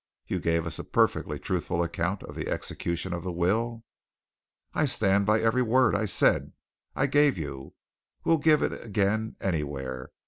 You gave us a perfectly truthful account of the execution of the will?" "I stand by every word I said. I gave you will give it again, anywhere!